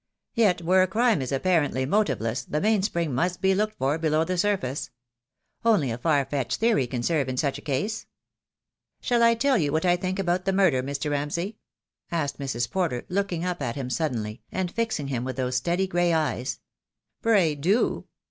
Yet where a crime is apparently motive less the mainspring must be looked for below the sur face. Only a far fetched theory can serve in such a case." "Shall I tell you what I think about the murder, Mr. Ramsay?" asked Mrs. Porter, looking up at him sud denly, and fixing him with those steady grey eyes. "Pray do."